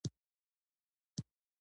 او پرې پوهېدلای شي.